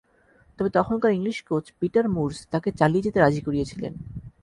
তবে তখনকার English coach Peter Moores তাঁকে চালিয়ে যেতে রাজি করিয়েছিলেন।